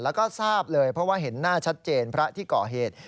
แล้วก็ทราบเลยเพราะว่าเห็นหน้าชัดเจนพระที่ก่อเหตุ